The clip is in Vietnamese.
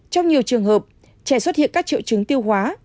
trong nhiều trường hợp trẻ xuất hiện các triệu chứng tiêu hóa